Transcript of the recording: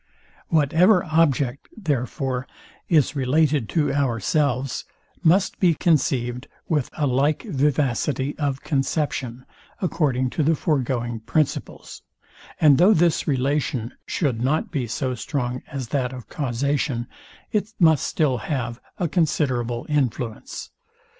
Whatever object, therefore, is related to ourselves must be conceived with a little vivacity of conception, according to the foregoing principles; and though this relation should not be so strong as that of causation, it must still have a considerable influence.